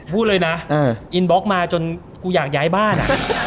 พูดเลยนะอินบล็อกมาจนกูอยากย้ายบ้านอ่ะ